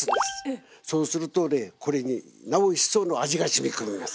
そうするとねこれになお一層の味がしみ込みます。